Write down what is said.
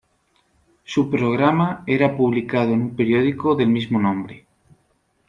Su programa era publicado en un periódico del mismo nombre.